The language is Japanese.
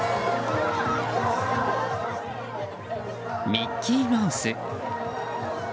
ミッキーマウス。